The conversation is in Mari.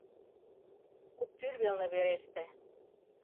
Куптӱр велне вереште.